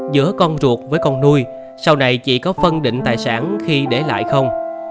giữa con ruột với con nuôi sau này chỉ có phân định tài sản khi để lại không